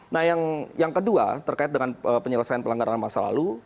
nah yang kedua terkait dengan penyelesaian pelanggaran masa lalu